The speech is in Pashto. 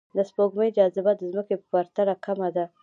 د سپوږمۍ جاذبه د ځمکې په پرتله کمه ده